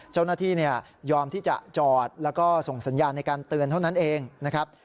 เจ้าหน้าที่ยอมที่จะจอดแล้วก็ส่งสัญญาณในการเตือนเท่านั้นเองนะครับ